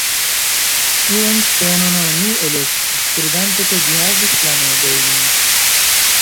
Tiun stelon oni elektis, kredante ke ĝi havus planedojn.